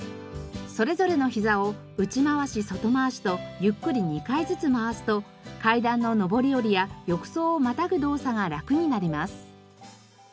それぞれのひざを内回し外回しとゆっくり２回ずつ回すと階段の上り下りや浴槽をまたぐ動作が楽になります。